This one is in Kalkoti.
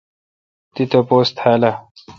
تی تاپوس تھال اؘ۔